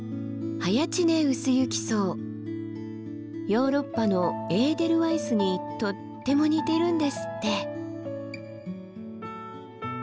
ヨーロッパのエーデルワイスにとっても似てるんですって。